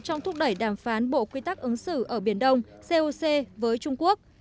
trong thúc đẩy đàm phán bộ quy tắc ứng xử ở biển đông coc với trung quốc